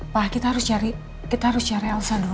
pak kita harus cari kita harus cari elsa dong